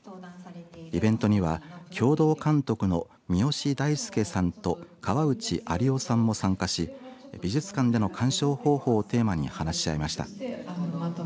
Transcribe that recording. イベントには共同監督の三好大輔さんと川内有緒さんも参加し美術館での鑑賞方法をテーマに話し合いました。